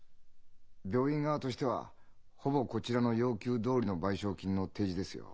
病院側としてはほぼこちらの要求どおりの賠償金の提示ですよ。